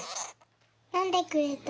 のんでくれた。